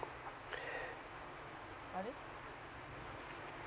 「あれ？」